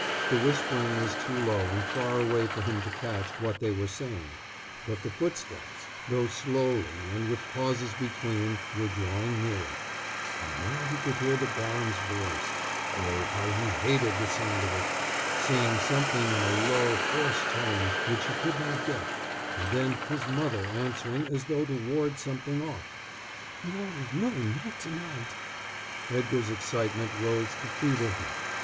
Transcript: The whispering was too low and far away for him to catch what they were saying. But the footsteps, though slowly and with pauses between, were drawing nearer. And now he could hear the baron's voice oh, how he hated the sound of it! saying something in a low, hoarse tone, which he could not get, and then his mother answering as though to ward something off: "No, no, not tonight!" Edgar's excitement rose to fever heat.